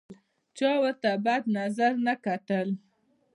چا ورته په بد نظر نه کتل.